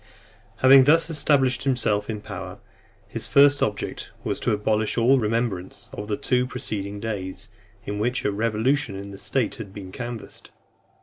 XI. Having thus established himself in power, his first object was to abolish all remembrance of the two preceding days, in which a revolution in the state had been canvassed.